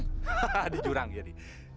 hahaha di jurang ya di